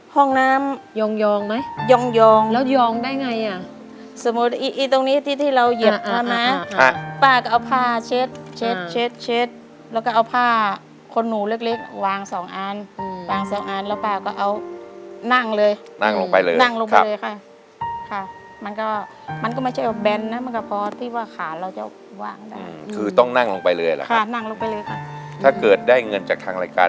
ห้องน้ำยองยองไหมยองยองแล้วยองได้ไงอ่ะสมมุติอีอีตรงนี้ที่ที่เราเหยียบแล้วนะป้าก็เอาผ้าเช็ดเช็ดเช็ดเช็ดแล้วก็เอาผ้าคนหนูเล็กเล็กวางสองอันวางสองอันแล้วป้าก็เอานั่งเลยนั่งลงไปเลยนั่งลงไปเลยค่ะค่ะมันก็มันก็ไม่ใช่เอาแนนนะมันก็พอที่ว่าขาเราจะวางได้คือต้องนั่งลงไปเลยล่ะค่ะนั่งลงไปเลยค่ะถ้าเกิดได้เงินจากทางรายการ